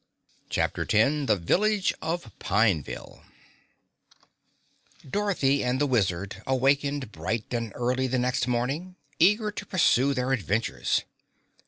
CHAPTER 10 The Village of Pineville Dorothy and the Wizard awakened bright and early the next morning, eager to pursue their adventures.